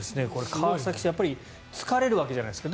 川崎さん、やっぱり疲れるわけじゃないですか。